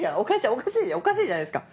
おかしいおかしいじゃないですか。